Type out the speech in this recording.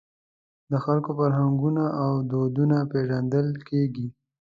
د خلکو فرهنګونه او دودونه پېژندل کېږي.